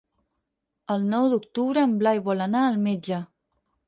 El nou d'octubre en Blai vol anar al metge.